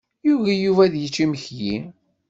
Yugi Yuba ad yečč imekli.